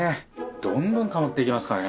どんどんたまっていきますからね。